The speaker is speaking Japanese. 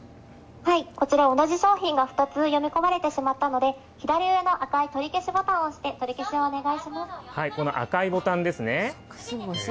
こちら、同じ商品が２つ読み込まれてしまったので、左上の赤い取り消しボタンを押して、取りこの赤いボタンですね。